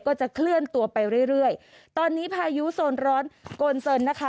ก็จะเคลื่อนตัวไปเรื่อยเรื่อยตอนนี้พายุโซนร้อนโกนเซินนะคะ